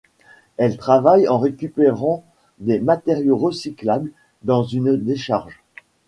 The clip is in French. Elle travaille en récupérant des matériaux recyclables dans une décharge.